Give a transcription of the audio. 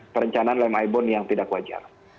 perencanaan lem ibon yang tidak wajar